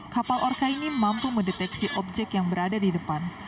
kapal orca ini mampu mendeteksi objek yang berada di depan